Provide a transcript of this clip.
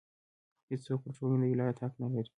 هېڅوک پر ټولنې د ولایت حق نه لري.